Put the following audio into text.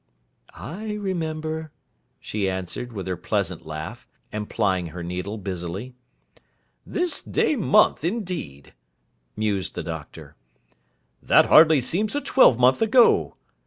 'I remember,' she answered, with her pleasant laugh, and plying her needle busily. 'This day month, indeed!' mused the Doctor. 'That hardly seems a twelve month ago.